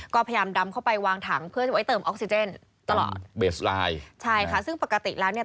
ก็พยายามดำเข้าไปวางถังเพื่อจะไว้เติมออกซิเจนตลอดเบสไลน์ใช่ค่ะซึ่งปกติแล้วเนี่ย